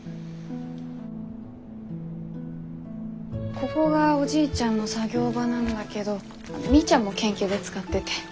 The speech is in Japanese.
ここがおじいちゃんの作業場なんだけどみーちゃんも研究で使ってて。